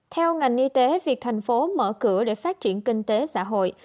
theo ngành y tế việc thành phố mở cửa để phát triển kinh tế xã hội